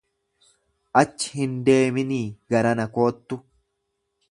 Achi hin deeminii garana koottu.